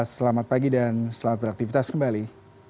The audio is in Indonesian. selamat pagi dan selamat beraktivitas kembali